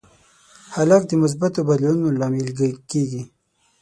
هلک د مثبتو بدلونونو لامل کېږي.